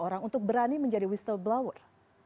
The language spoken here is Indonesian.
orang untuk berani menjadi whistleblower